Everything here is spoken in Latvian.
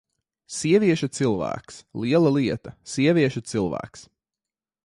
Sievieša cilvēks! Liela lieta: sievieša cilvēks!